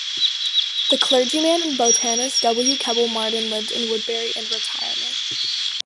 The clergyman and botanist W. Keble Martin lived in Woodbury in retirement.